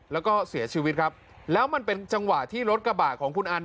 แล้วก็เสียชีวิตครับแล้วมันเป็นจังหวะที่รถกระบะของคุณอัน